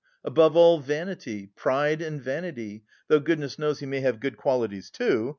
Above all, vanity, pride and vanity, though goodness knows he may have good qualities too....